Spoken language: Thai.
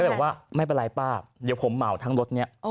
บอกว่าไม่เป็นไรป้าเดี๋ยวผมเหมาทั้งรถนี้